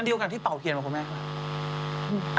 อันเดียวกันที่เปาเขียนเข้ามาคนแม่คะ